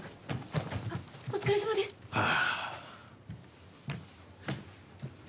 ああ。